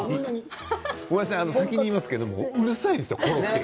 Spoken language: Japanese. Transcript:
ごめんなさい先に言いますけどうるさいですよ